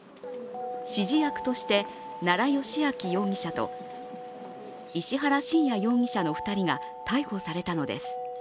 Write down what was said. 指示役として奈良幸晃容疑者と石原信也容疑者の２人が逮捕されたのです。